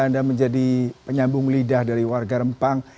anda menjadi penyambung lidah dari warga rempang